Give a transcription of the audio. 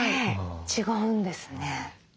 違うんですね。